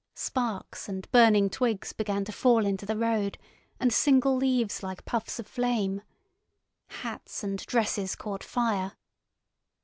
Sparks and burning twigs began to fall into the road, and single leaves like puffs of flame. Hats and dresses caught fire.